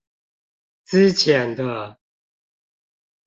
資淺的